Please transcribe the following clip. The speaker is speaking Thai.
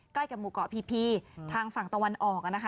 ใกล้กับหมู่เกาะพีพีทางฝั่งตะวันออกนะคะ